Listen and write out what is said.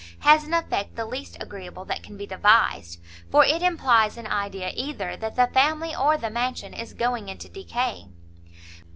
has an effect the least agreeable that can be devised; for it implies an idea either that the family, or the mansion, is going into decay."